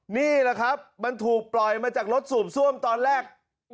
นี่แหละครับมันถูกปล่อยมาจากรถสูบซ่วมตอนแรก